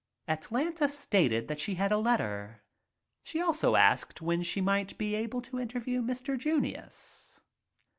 Atlanta stated that she had a letter. She also asked when she might be able to interview Mr. Junius.